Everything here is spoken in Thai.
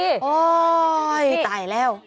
ที่ตายแล้ว